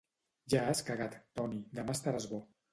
Ja has cagat, Toni; demà estaràs bo.